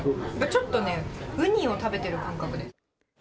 ちょっとね、ウニを食べてる感覚で。